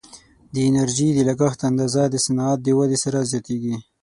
د انرژي د لګښت اندازه د صنعت د ودې سره زیاتیږي.